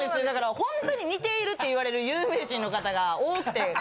だから本当に似ているって言われる有名人の方が多くて。